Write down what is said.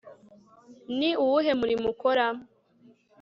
ni uwuhe murimo ukora